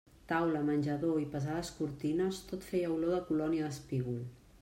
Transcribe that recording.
Taula, menjador i pesades cortines, tot feia olor de colònia d'espígol.